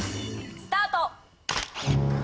スタート！